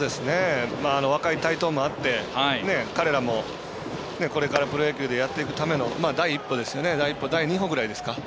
若い台頭もあって彼らも、これからプロ野球でやっていくための第一歩、第二歩ぐらいですか。